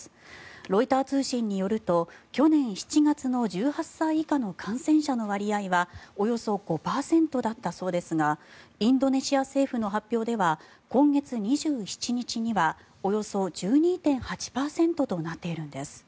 ロイター通信によると去年７月の１８歳以下の感染者の割合はおよそ５％だったそうですがインドネシア政府の発表では今月２７日にはおよそ１２．８％となっているんです。